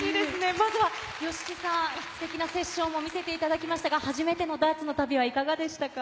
まずはＹＯＳＨＩＫＩさん、ステキのセッションも見せていただきましたが、初めてのダーツの旅はいかがでしたか？